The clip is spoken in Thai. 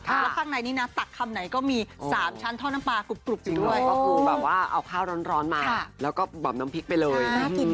แล้วข้างในนี้นะตักคำไหนก็มี๓ชั้นทอดน้ำปลากรุบไปด้วย